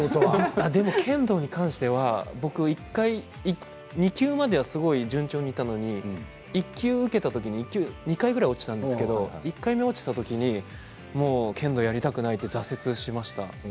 剣道に関しては２級までは順調にいったんですけれど、１級受けた時に２回くらい落ちたんですけど１回目落ちた時にもう剣道やりたくないと挫折しました。